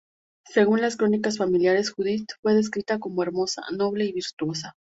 Según las crónicas familiares, Judith fue descrita como hermosa, noble y virtuosa.